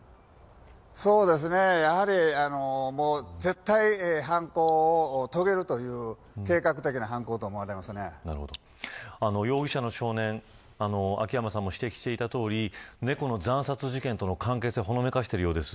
そうですね、やはり絶対、犯行を遂げるという容疑者の少年秋山さんも指摘していたとおり猫の惨殺事件との関係性もほのめかしているようです。